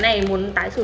điều liệu tới mấy cái cái